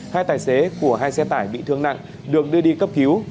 hai tài xế của hai xe tải bị thương nặng được đưa đi cấp cứu